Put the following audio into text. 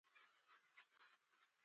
دهر شرنګ سره یې زه پر ملا ماتیږم